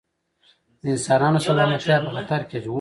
د انسانانو سلامتیا په خطر کې اچوي.